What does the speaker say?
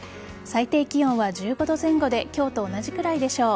最低気温は１５度前後で今日と同じくらいでしょう。